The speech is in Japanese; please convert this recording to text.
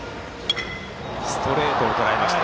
ストレートをとらえました。